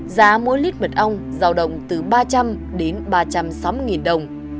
giá mỗi lít mật ong giao động từ ba trăm linh đến ba trăm sáu mươi đồng